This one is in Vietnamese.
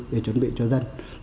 để chuẩn bị cho dân